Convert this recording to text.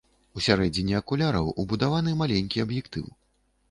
У сярэдзіне акуляраў убудаваны маленькі аб'ектыў.